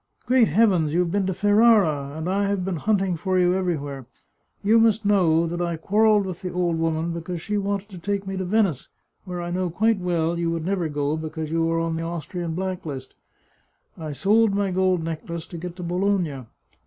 " Great heavens, you've been to Ferrara ! And I have been hunting for you everywhere. You must know that I quarrelled with the old woman because she wanted to take me to Venice, where I knew quite well you would never go, because you are on the Austrian black list. I sold my gold necklace to get to Bologna.